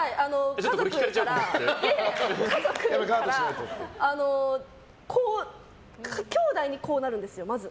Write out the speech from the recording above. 家族とか、きょうだいにこうなるんですよ。